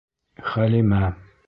Хәлимә!